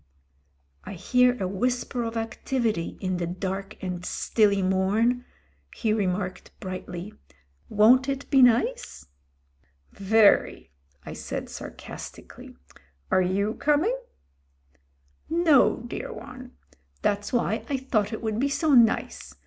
"I hear a whisper of activity in the dark and stilly mom," he remarked brightly. ''Won'titbenice?" "Very," I said sarcastically. "Are you coming?" "No, dear one. That's why I thought it would be so nice.